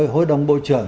hội đồng bộ trưởng